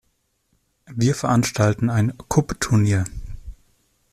Wir veranstalten ein Kubb-Turnier.